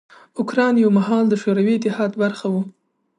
اوکراین یو مهال د شوروي اتحاد برخه وه.